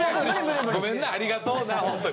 ごめんねありがとうなホントに。